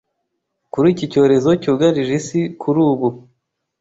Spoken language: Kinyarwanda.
kuri iki cyorezo cyugarije isi kuri ubu